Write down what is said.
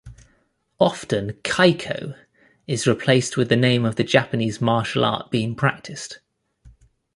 Often "keiko" is replaced with the name of the Japanese martial art being practiced.